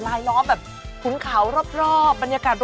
ตามแอฟผู้ชมห้องน้ำด้านนอกกันเลยดีกว่าครับ